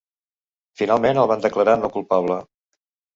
Finalment el van declarar no culpable.